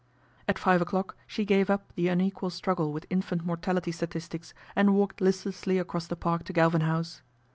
At five o'clock she gave up the unequal struggle with infant mortality statistics and walked list lessly across the Park to Galvin House.